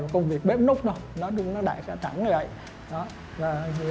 công việc bếp nốt đâu nói chung nó đại khả thẳng như vậy